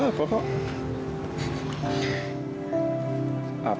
mil yuk buruan